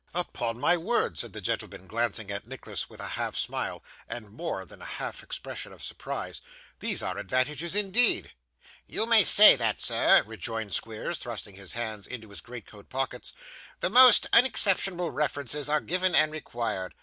'Upon my word,' said the gentleman, glancing at Nicholas with a half smile, and a more than half expression of surprise, 'these are advantages indeed.' 'You may say that, sir,' rejoined Squeers, thrusting his hands into his great coat pockets. 'The most unexceptionable references are given and required.